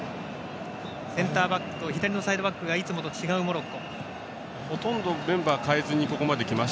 センターバックと左のサイドバックがいつもと違うモロッコ。